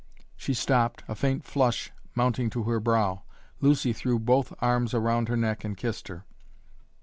She stopped, a faint flush mounting to her brow. Lucy threw both arms around her neck and kissed her.